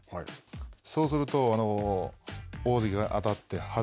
そうすると、大関が当たってはず。